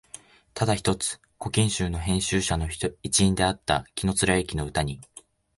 ただ一つ「古今集」の編集者の一員であった紀貫之の歌に、